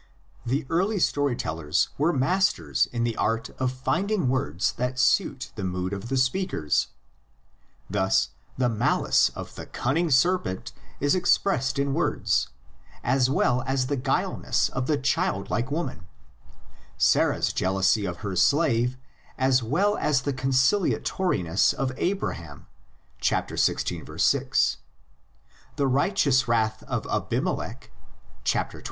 The early story tellers were masters in the art of finding words that suit the mood of the speakers: thus the malice of the cun ning serpent is expressed in words, as well as the guilelessness of the childlike woman, Sarah's jeal ousy of her slave as well as the conciliatoriness of Abraham (xvi. 6), the righteous wrath of Abimelech (xx.